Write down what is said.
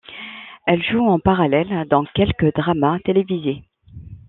Elle joue en parallèle dans quelques dramas télévisés.